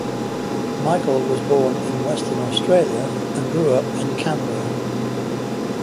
Michael was born in Western Australia and grew up in Canberra.